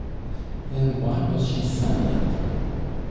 "Then why was she silent?"